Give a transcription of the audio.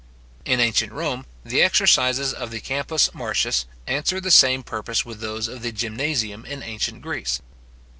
In ancient Rome, the exercises of the Campus Martius answered the same purpose with those of the Gymnasium in ancient Greece.